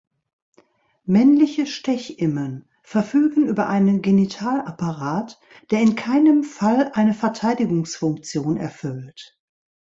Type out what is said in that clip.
Männliche Stechimmen verfügen über einen Genitalapparat, der in keinem Fall eine Verteidigungsfunktion erfüllt.